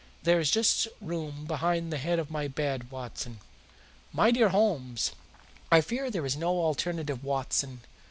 There is just room behind the head of my bed, Watson." "My dear Holmes!" "I fear there is no alternative, Watson.